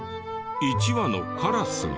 １羽のカラスが。